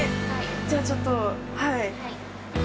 じゃあちょっとはい。